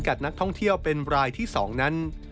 นักท่องเที่ยวเป็นรายที่๒นั้น